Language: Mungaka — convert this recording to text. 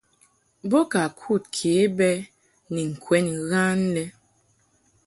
Bo ka kud ke bɛ ni ŋkwɛn ghan lɛ.